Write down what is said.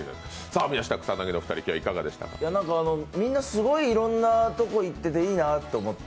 みんなすごいいろんなところ行ってていいなと思って。